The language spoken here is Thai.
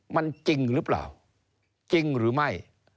มันจริงหรือเปล่าจริงหรือไม่